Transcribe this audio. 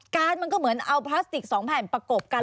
มันก็เหมือนเอาพลาสติก๒แผ่นประกบกัน